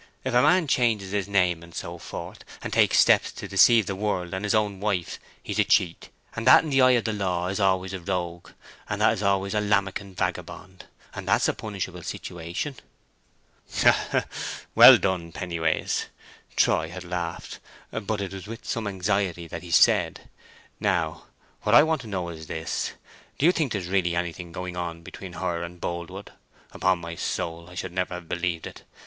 If a man changes his name and so forth, and takes steps to deceive the world and his own wife, he's a cheat, and that in the eye of the law is ayless a rogue, and that is ayless a lammocken vagabond; and that's a punishable situation." "Ha ha! Well done, Pennyways," Troy had laughed, but it was with some anxiety that he said, "Now, what I want to know is this, do you think there's really anything going on between her and Boldwood? Upon my soul, I should never have believed it!